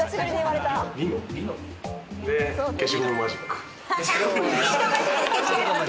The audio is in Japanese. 消しゴムマジック。